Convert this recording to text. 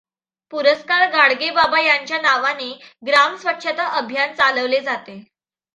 पुरस्कार गाडगेबाबा यांच्या नावाने ग्राम स्वच्छता अभियान चालवले जाते.